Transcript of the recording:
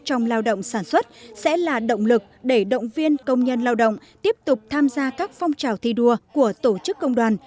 trong lao động sản xuất sẽ là động lực để động viên công nhân lao động tiếp tục tham gia các phong trào thi đua của tổ chức công đoàn